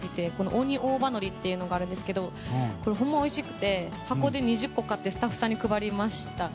鬼大葉のりっていうのがあるんですけどこれ、ほんまおいしくて箱で２０個買ってスタッフさんに配りました。